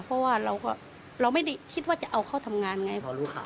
เพราะว่าเราก็เราไม่ได้คิดว่าจะเอาเข้าทำงานไง